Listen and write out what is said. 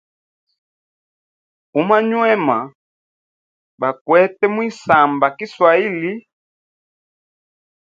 Umanywema bakwete mwisamba kiswahili.